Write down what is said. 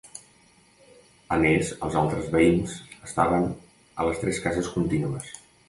A més els altres veïns estaven a les tres cases contínues.